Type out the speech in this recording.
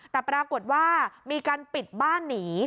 แต่ปรากฏว่ามีการปิดบ้านหนี